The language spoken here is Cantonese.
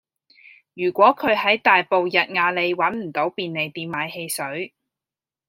如果佢喺大埔逸雅里搵唔到便利店買汽水